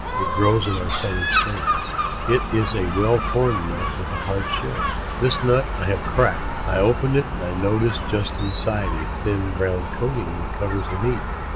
It grows in our southern states. It is a well formed nut with a hard shell. This nut I have is cracked. I open it and I notice just inside a thin, brown coating that covers the meat.